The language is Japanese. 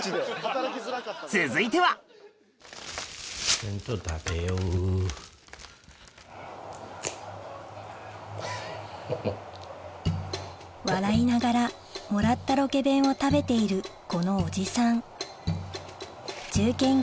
続いてはフフっ。笑いながらもらったロケ弁を食べているこのおじさん中堅芸